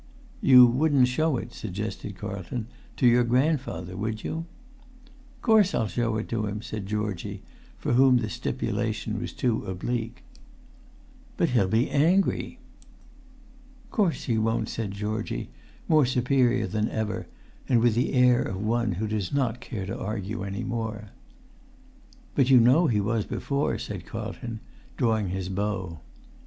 "You wouldn't show it," suggested Carlton, "to your grandfather, would you?" "Course I'll show it to him," said Georgie, for whom the stipulation was too oblique. "But he'll be angry!" "Course he won't," said Georgie, more superior than ever, and with the air of one who does not care to argue any more. "But you know he was before," said Carlton, drawing his bow.